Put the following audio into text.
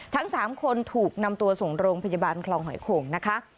ทั้ง๓คนถูกนำตัวส่งโรงพยาบาลคลองหอยโข่งนะคะ